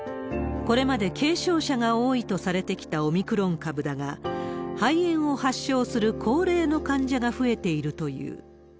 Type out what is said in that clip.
これまで軽症者が多いとされてきたオミクロン株だが、肺炎を発症する高齢の患者が増えているという。